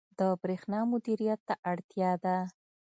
• د برېښنا مدیریت ته اړتیا ده.